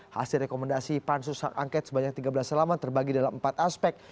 hasil rekomendasi pansus hak angket sebanyak tiga belas alaman terbagi dalam empat aspek